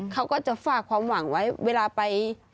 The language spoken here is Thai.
เขาก็จะฝากความหวังไว้เวลาไป